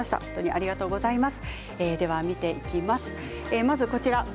ありがとうございます。